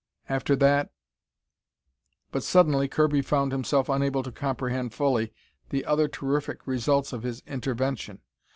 After that But suddenly Kirby found himself unable to comprehend fully the other terrific results of his intervention.